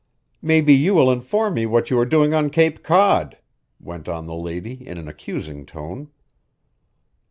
"Maybe you will inform me what you are doing on Cape Cod," went on the lady in an accusing tone.